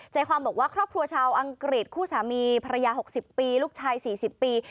ใจความบอกว่าครอบครัวชาวอังกฤษคู่สามีภรรยา๖๐ปีลูกชาย๔๐ปี